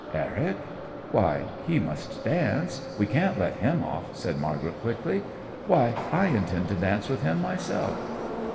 "Eric? Why, he must dance, we can't let him off," said Margaret, quickly. "Why, I intend to dance with him myself!"